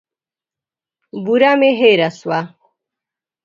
بوره مي هېره سوه .